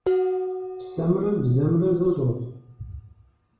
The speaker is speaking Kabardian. Псэмрэ бзэмрэ зэщӀыгъу?